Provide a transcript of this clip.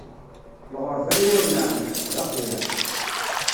Lɣeṛba n wur neɛmiṛ, d aqwiṛ.